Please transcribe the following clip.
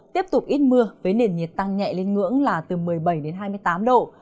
tiếp tục ít mưa với nền nhiệt tăng nhẹ lên ngưỡng là từ một mươi bảy đến hai mươi tám độ